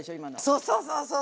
そうそうそうそう。